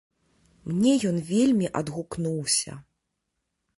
Мне ён вельмі адгукнуўся.